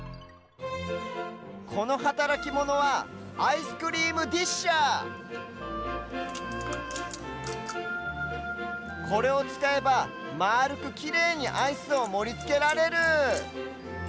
このはたらきモノはアイスクリームディッシャーこれをつかえばまあるくきれいにアイスをもりつけられる。